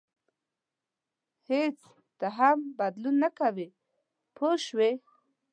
هېڅ څه ته هم بدلون نه ورکوي پوه شوې!.